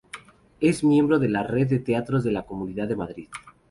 Es miembro de la Red de Teatros de la Comunidad de Madrid.